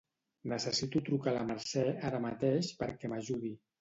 Necessito trucar a la Mercè ara mateix perquè m'ajudi.